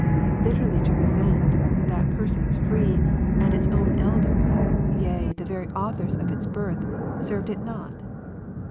bitterly to resent, that persons free, and its own eklers, yea, the very authors of its birth, served it not?